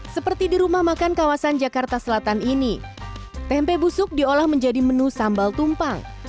seperti di rumah makan kawasan jakarta selatan ini tempe busuk diolah menjadi menu sambal tumpang